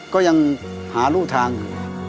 ก็ยังหารูทาง